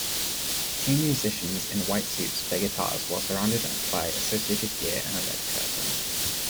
Two musicians in white suits play guitars while surrounded by associated gear and a red curtain.